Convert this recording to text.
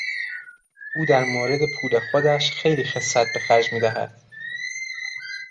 او در مورد پول خودش خیلی خست به خرج میدهد.